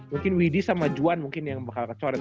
mungkin widhi sama juan mungkin yang bakal kecoret